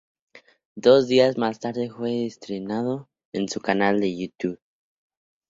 Dos días más tarde fue estrenado en su canal en YouTube.